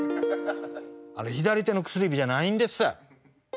あれ左手の薬指じゃないんです。